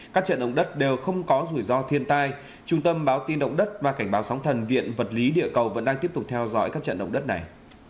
các trận động đất đều không có rủi ro thiên tai trung tâm báo tin động đất và cảnh báo sóng thần viện vật lý địa cầu vẫn đang tiếp tục theo dõi các trận động đất này